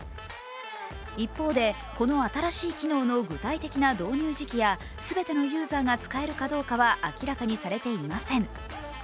一方で、この新しい機能の具体的な導入時期や全てのユーザーが使えるかどうかは明らかにされていません。